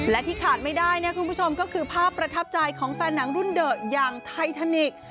และที่ขาดไม่ได้นะคุณผู้ชมก็คือภาพประทับใจของแฟนหนังรุ่นเดอะอย่างไททานิกส์